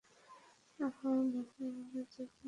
আমার মহল, আমার জায়গা, আমার ইচ্ছা, আমি বেচবো।